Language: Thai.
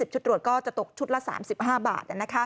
ชุดตรวจก็จะตกชุดละ๓๕บาท